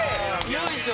よいしょ！